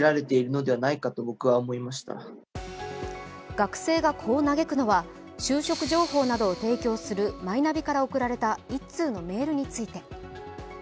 学生がこう嘆くのは就職情報などを提供するマイナビから送られた１通のメールについて。